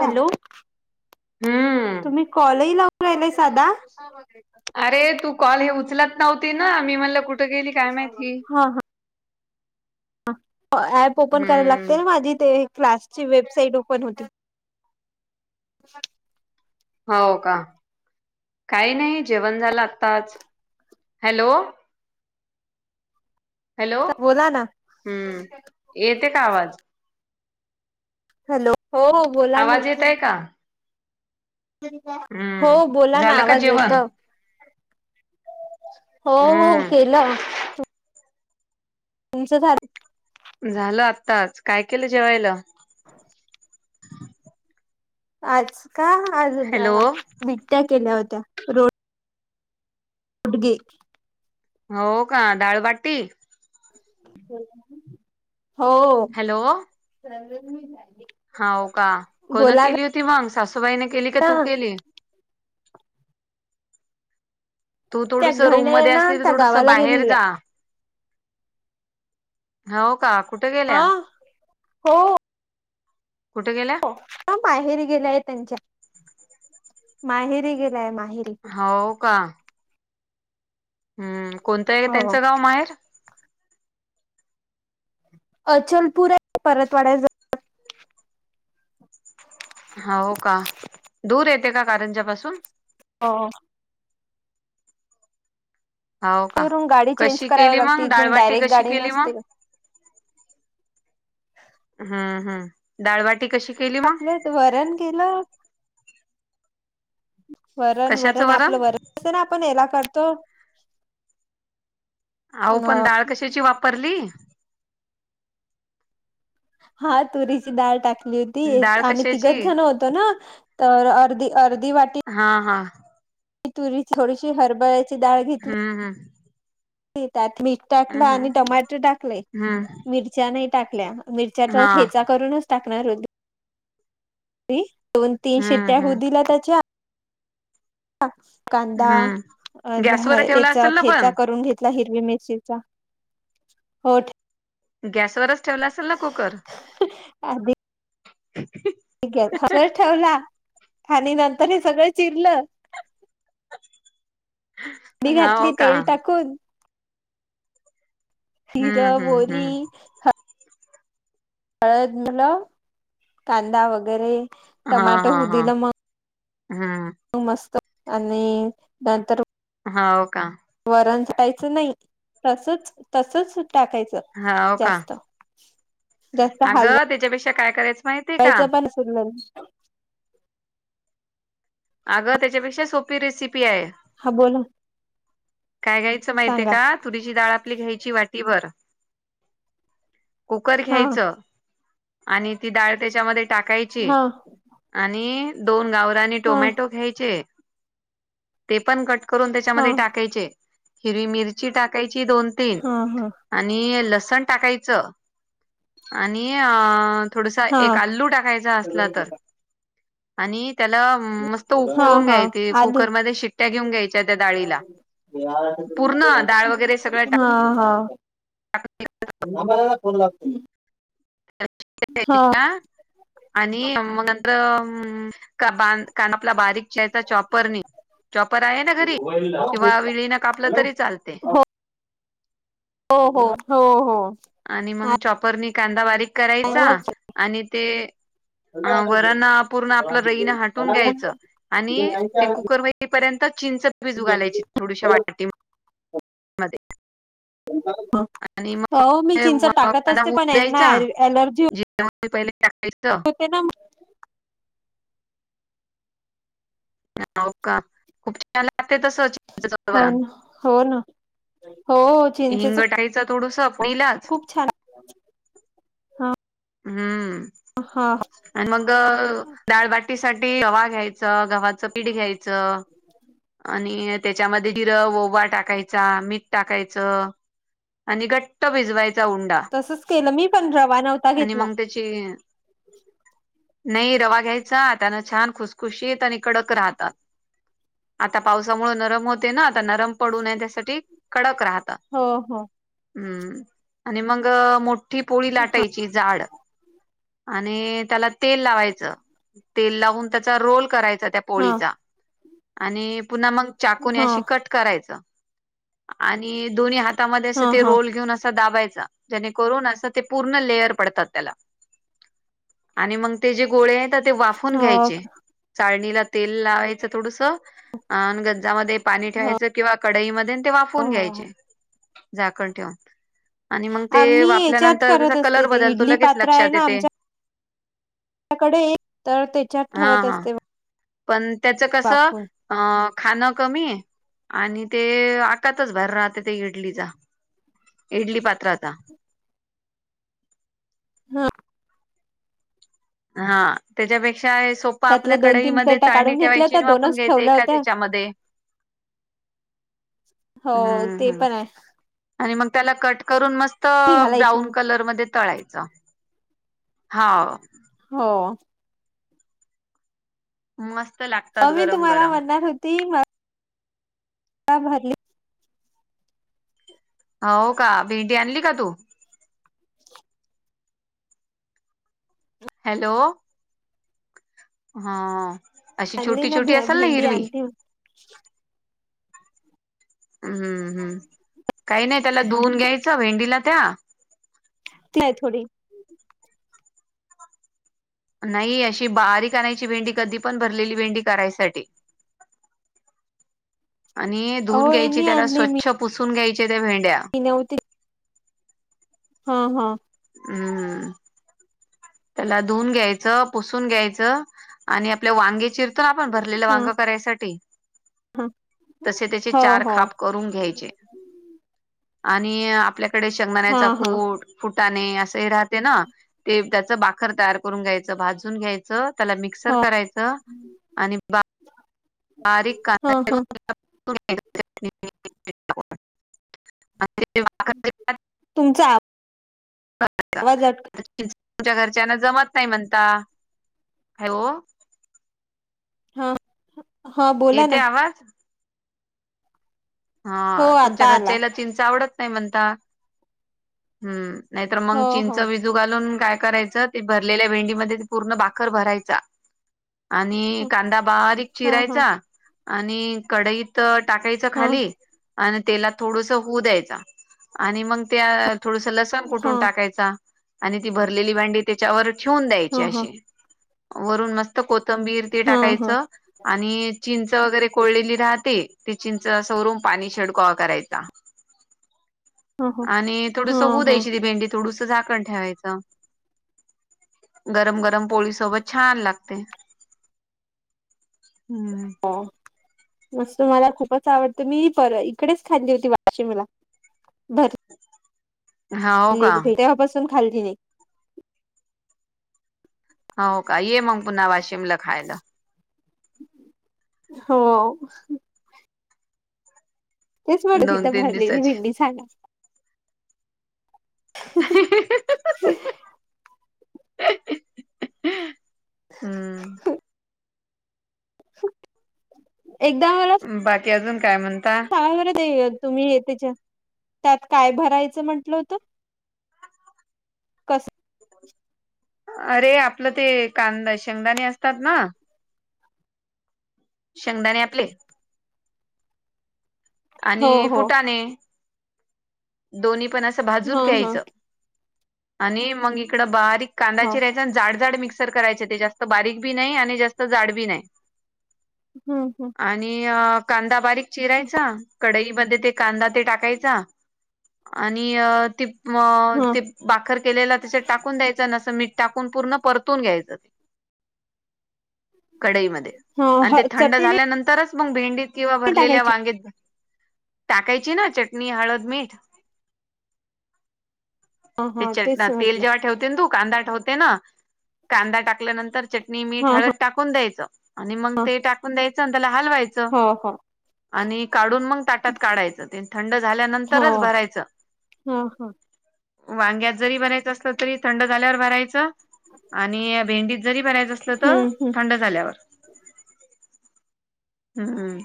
Hello. हम्म तुम्ही कॉलही लावून राहिलय साधा अरे तू कॉल हे उचलत नव्हती ना मी म्हणलं कुठं गेली काय माहिती हा हा ऍप ओपन करायला हम्म लागते ना माझी ते क्लासची वेबसाईट ओपन होती. हो का काही नाही जेवण झालं आताच हॅलो, हॅलो बोला ना हम्म येत का आवाज? हॅलो हो, बोला ना आवाज येत आहे का? हो हम्म बोला ना झालं का आवाज येत. जेवण हो हो हम्म केलं तुमच् झालं. झालं आत्ताच काय केलं जेवायला? आज का आज हॅलो बिबट्या केल्या होत्या रोड उडगे हो का डाळबाटी. हो हॅलो स म हा हो का कोण केली होती मग सासूबाईने केली का ना तू केली. तू त्या थोडस घरी रूम आहे मध्ये ना असली तर त्या थोडस गावाला बाहेर गेलेल्या जा. हो का कुठे गेल्या? हा हो कुठे गेल्या? ह माहेरी गेलाय त्यांच्या माहेरी गेलाय माहिरी हो का हम्म कोणतं आहे हो त्यांचं गाव माहेर अचलपूर आहे परतवाडा हो का दूर येते का कारंजापासून ह हो का ून गाडी चेंज कशी कराववी केली लागते मग इथून डाळबाटी डायरेक्ट कशी गाडी केली मग नसते. हम्म हम् डाळबाटी कशी केली मग? आपलं वरण गेलं. वरण वरण आपलं वरण ना आपण हला करतो. अहो पण अ डाळ कशाची वापरली? हा तुरीची डाळ टाकली होती. ती डाळ आम्ही कशाची तिघच जण होतो ना तर अर्धी अर्धी वाटी हा हा तुरी थोडीशी हरभऱ्याची डाळ हम्म हम्म घेतली त्यात मीठ टाकलं हम्म आणि टमाटर टाकले हम्म हम्म. मिरच्या नाही टाकल्या मिरच्याचा हा ठेचा करूनच.. टाकणार होते. दोन तीन हम्म शिट्ट्या होऊ हम्म दिल्या त्याच्या कांदा हम्म अ गॅसवर ठेवला याचा असेल ना ठेचा पण करून घेत. हिरवी मिरचीचा हो गॅसवरच ठेवला असेल ना कुकर आदी हम ठीक असच ठेवला आणि नंतर हे सगळं चिरलं नी हो घातली का तेल टाकून हम्म जिरं हम्म मोहरी हम्म हळद झालं कांदा वगैरे हा टमाटो हा होऊ हा दिलं मग हम्म मस्त आणि नंतर हा हो का वरण टायचं नाही तसच तसच टाकायचं. हो त का जास्त जास्त हलवायचं. ता काय करायचं. माहितीय का वयचं पण अस [inaudible] अगं त्याच्यापेक्षा सोपी रेसिपी आहे हा बोल काय घ्यायचं माहतीय का तुरीची डाळ आपली घ्यायची वाटी भर कुकर हा घ्यायचं आणि ती डाळ त्याच्यामध्ये टाकायची हा आणि दोन गावरानी हा टोमॅटो घ्यायचे ते पण कट करून हा त्याच्यामध्ये टाकायचे हिरवी मिरची टाकायची दोन तीन हा आणि लसण टाकायचं आणि अ थोडसा हा एक आल्लू टाकायचा असला हा तर आणि त्याला मस्त त बोला हा उकळून हा घ्यायची आदू कुकरमध्ये शिट्ट्या घेऊन घ्यायच्या त्या डाळीला पूर्ण डाळ वगैरे सगळं हा हा फोन लागतो हा [inaudible] आणि मग नंतर का ब कान आपला बारीक चा चॉपर नी चॉपर आहे ना घरी किंवा विळीन कापलं हॅलो तरी चालते हो हो हो हो आणि मग चॉपरनी कांदा बारीक आहे करायचा ना आणि ते अ वरण पूर्ण आपलं रईने हटून घ्यायचं आणि ते कुकर व तपर्यंत चिंच भिजू घालायची [inaudible] थोडीशा वाटीमध्ये आणि मग हो मी चिंच टाकत असते पण यांना एल अलर्जी तेव्हा ते पहिले टाकायच त्यां ना का खूप छान लागते तस हो ना हो ना हो हिंग चिंचेच टाकायचा थोडुसा तेलात खूप छान हा हम्म हा आणि मग डाळबाटीसाठी रवा घ्यायचं गव्हाचं पीठ घ्यायचं आणि त्याच्यामध्ये जिर ओवा टाकायचा मीठ टाकायचं आणि घट्ट भिजवायचा उंडा तसंच केलं मी पण रवा न आणि मग त्याची नाही रवा घ्यायचा त्यान छान खुसखुशीतं आणि कडक राहतात आता पावसामुळे नरम होते ना आता नरम पडू नये त्यासाठी कडक राहतं हो हो हम्म आणि मग मोठी पोळी लाटायची जाड आणि त्याला तेल लावायचं तेल लावून त्याचा रोल करायच त्या हा पोळीचा आणि पुन्हा मग चाकूने हा अशी कट करायच आणि दोन्ही हातामध्ये हा असं ते हा रोल घेऊन असं दाबायचा जने करून असं ते पूर्ण लेयर पडतात त्याला आणि मग ते जे गोळे आहेत ते वाफून हो घ्यायचे चाळणीला तेल लावायच थोडस ग पाणी हो ठेवायच किंवा कडईमध्ये ते वाफून हो. घ्यायचे झाकण ठेवून आणि मग ते आम्ही याच्यात वाफल्यानंतर त्याचा करत असते कलर ते बदलतो इडली लगेच पात्र लक्षात येते कडे तर त्याच्यात हा ठेवत हा असते पण त्याचं कसं वाफून अ खाणं कमी आहे आणि ते आकातच बाहेर राहते ते इडलीचा इडली पात्राचा हा हा त्याच्यापेक्षा सोप आपल्या त्यातल्या दोन तीन कडईमध्ये प्लेटा चाळणी काढून घेतल्या होत्या ठेवायची वापून दोनच घ्यायच ठेवल्या एकाच होत्या याच्यामध्ये हो हम्म ते हम्म पण आहे आणि मग त्याला कट करून मस्त मी तर घालायची ब्राऊन मग कलरमध्ये तळायचं होा हो मस्त लागते अ मी तुम्हाला म्हणणार होती म ह भरली हो का भेंडी आणली का तू हॅलो हा अशी आणली छोटी ना छोटी भे असेल ना भेंडी हिरवी आणली हम्म हम्म काही नाही त्याला धुवून घ्यायचं भेंडीला त्या ती आहे थोडी नाही अशी बारी काायची भेंडी कधी पण भरलेली भेंडी करायसाठी आणि धुऊून हो घ्यायची यांनी त्याला आणली मी स्वच्छ पुसून घ्यायचे त्या भेंड्या मी नव्हती हा हा हम्म त्याला धुऊून घ्यायचं पुसून घ्यायचं आणि आपल्या वांगेचीर तून आपण भरलेलं हा वांग करायसाठी हा तसे त्याचे हो चार हो खाप करून घ्यायचे आणि आपल्याकडे हा शेंगदाण्याचा हा कूट फुटाणे असं हे राहते ना ते त्याचं बाखर तयार करून घ्यायचं भाजून घ्यायचं त्याला मिक्सर हो करायचं आणि बारीक हा कदा हा तुमचा का आवाज अट तुमच्या घरच्यांना जमत नाही म्हणता हो हा हा बोला येते ना आवाज हो हा तुमच्या आता आला घरच्याला चिंच आवडत नाही म्हणता हम् नाहीतर हो मग हो चींच वि घालून काय करायचं ते भरलेल्या भेंडीमध्ये पूर्ण बाखर भरायचा आणि ह, कांदा बारीक हा हा चिरायचा आणि कडईत तर टाकायच हा खाली आणि त्याला थोडस होऊ द्यायच आणि मग त्या थोडस लसण हा हा कुठून टाकायच आणि ती भरलेली भांडी त्याच्यावर ठेवून हा द्यायचे असे वरून मस्त कोथंबीर ते हा हा टाकायचं आणि चिंच वगैरे कोळलेली राहते ते चिंच सवरून पाणी छिडक करायचा ह ह आणि हा थोडस होऊ हा द्यायची ती भेंडी थोडस झाकण ठेवायचं. गरम गरम पोळीसोबत छान लागते. हम्म. हो मस्त मला खूपच आवडतं मी पर इकडेच खाल्ली होती वाशिमला बरं.. हो ली का भेटापासून खाल्ली नाही. हो का ये मग पुन्हा वाशिमला खायला.. हो.. तेच म्हडत दोन तिथं तीन भरलेली दिवसाचे भिंडी झाड. [unintelligible] हम्. एकदा मला बाकी अजून काय म्हणता.. वर येईल तुम्ही त्याच्या त्यात काय भरायचं म्हंटलं होतं.. कस अरे आपलं ते कांदा शेंगदाणी असतात ना.. शंगदाने आपले. हो आणि हो फुटाणे. दोन्ही पण असं भाजून हा हा घ्यायचं आणि मग इकडं बारीक हा कांदाची राहाय.. जाड जाड मिक्सर करायचे ते जास्त बारीक बी नाही आणि जास्त जाड बी नाही.. हम्म हम्म.. आणि कांदा बारीक चिरायचा.. कडईमध्ये ते कांदा ते टाकायचा आणि ते ह ते. बाखर केलेला तच्यात टाकून द्यायचं नसं मीठ टाकून पूर्ण परतून घ्यायचं ते. कडईमध्ये हा आणि हा ते थंड चटणी नाही झाल्यानंतरच. मग भेंडीत किंवा भरलेल्या टाकायची वांगेत टाकायची ना चटणी हळद, मीठ. हा ते हा च तेच तेल म्हटलं जेव्हा ठेवत.. तू कांदा ठेवते ना कांदा टाकल्यानंतर चटणी मीठ हा हा हळद टाकून द्यायचं.. आणि मग हा ते टाकून द्यायचं त्याला हलवायचं हो हो आणि का?. म ताटात काढायच थंड झाल्यानंतरच हो भरायच.. हा हा वांग्यात जरी बरायचं असलं तरी थंड झाल्यावर भरायचं.. आणि भेंडीत जरी बरायचं असलं तर हम्म हम्म थंड झाल्यावर. हम् हम..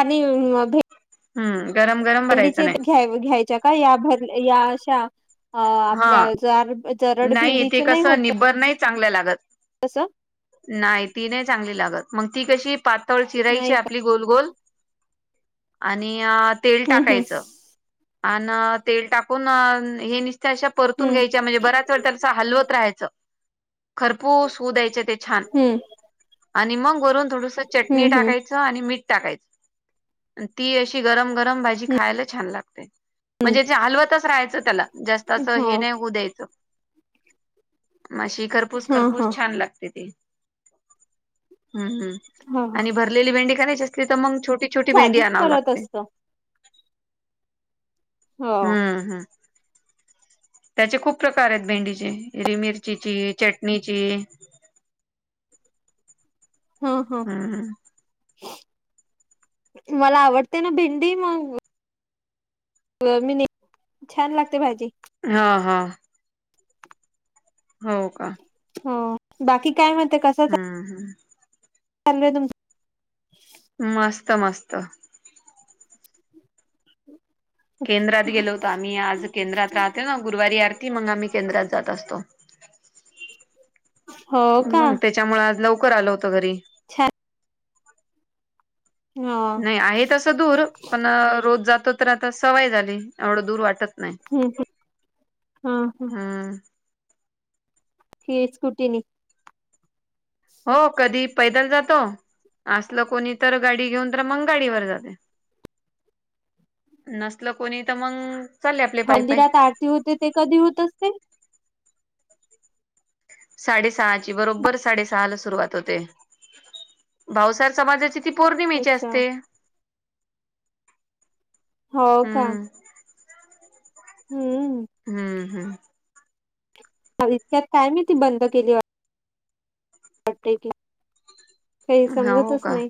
आणि. हम् गरम गरम भरायचं मंडीचे नाही घ्या घ्यायच्या का या भर या अशा अ आपल्या हा ज जरड भेंडीच ते नाही कसं होत. निब्बर नाही चांगल्या लागत. कसं? नाही ती नाही चांगली लागत मग ती कशी पातळ चिराईची नाही का आपली गोल गोल आणि तेल हम्म टाकायचं.. अ तेल टाकून हे निसत्या अशा परतून हम्म घ्यायच्या म्हणजे बऱच च त्यांस हलवत राहायचं खरपूर होऊ द्यायच ते छान हम्म आणि मग वरून थोडस चटणी हम्म हम्म हम्म टाकायचं आणि मीठ टाकायचं. ती अशी गरम गरम भाजी खायला छान लागते. म्हणजे ते हलवतच राहायचं त्याला जास्त हो द्यायच मशी खरपूस हा खरपूस हा छान लागते ते. हम्म हम् हा हा आणि भरलेली भेंडी का नाहीच असली तर मग छोटी. छोटी भेंडी साधीच आणावी करत लागते. असत हो. हम्म हम्म. त्याचे खूप प्रकार आहेत भेंडीचे हिरी मिरचीची चटणीची. हा हा हम्. मला आवडते ना भेंडी मग. मी छान लागते भाजी. हा हा. हो का? हो बाकी काय म्हणते कस? हम हम. तल् तम मस्त मस्त.. केंद्रात गेलो होतो आम्ही आज. केंद्रात राहते ना गुरुवारी आरती मग आम्ही केंद्रात जात असतो.. हो का मग त्याच्यामुळे आज लवकर आलो होतो घरी. छान. हा नाही आहे तसं दूर पण रोज जातो तर आता सवय झाली एवढं दूर वाटत. नाही हम्म हम्म हा हम्म. तेच स्कुटी ने. हो कधी पैदल जातो असलं कोणी तर गाडी घेऊन तर मग गाडीवर जाते नसल कोणी त मंग मंदिरात आरती होते ते कधी होत असते. साडेसहा ची बरोबर साडेसहा ला सुरुवात होते भावसार समाजाची. ती पौर्णिमेची अच्छा असते. हो का. हम्म हम्म. हम्म हम्म. इतक्यात काय माहिती बंद केली वाट ट काही हम्म हो समजतच का नाही.